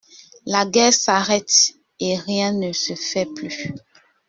La guerre s'arrête, et rien ne se fait plus.